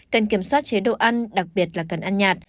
cần kiểm soát chế độ ăn đặc biệt là cần ăn nhạt